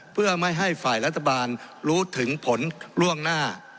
เพื่อไม่ให้ฝ่ายรัฐบาลรู้ถึงผลล่วงหน้า